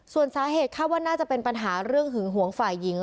ส่วนสาเหตุคาดว่าน่าจะเป็นปัญหาเรื่องหึงหวงฝ่ายหญิง